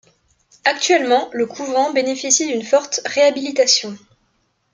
Actuellement, le couvent bénéficie d'une forte réhabilitation.